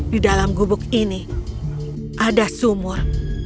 di dalam gubuk ini ada sumur